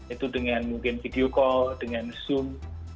itu dengan mungkin video call dengan zoom